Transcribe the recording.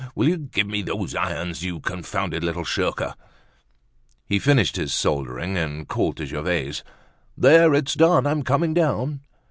Will you give me those irons? You confounded little shirker!" He finished his soldering, and called to Gervaise: "There, it's done. I'm coming down."